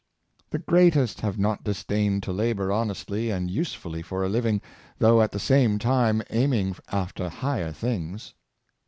The o^reatest have not disdained to labor honesth' and usefully for a living, though at the same time aim ing after higher things.